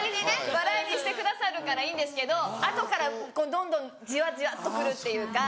笑いにしてくださるからいいんですけど後からどんどんじわじわっとくるっていうか。